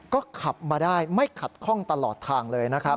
ก็ขับมาได้ไม่ขัดข้องตลอดทางเลยนะครับ